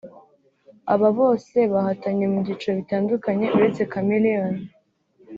Aba bose bahatanye mu byiciro bitandukanye uretse Chameleone